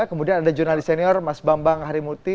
kemudian ada jurnalis senior mas bambang harimuti